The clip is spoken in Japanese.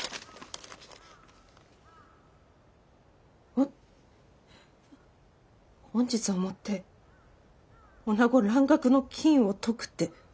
ほ本日をもって「女子蘭学の禁」を解くって。